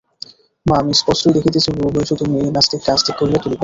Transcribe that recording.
মা, আমি স্পষ্টই দেখিতেছি বুড়ো বয়সে তুমি এই নাস্তিককে আস্তিক করিয়া তুলিবে।